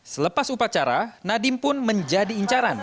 selepas upacara nadiem pun menjadi incaran